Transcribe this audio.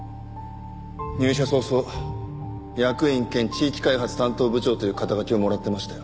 入社早々役員兼地域開発担当部長という肩書をもらってましたよ。